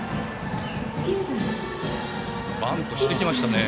バントしてきましたね。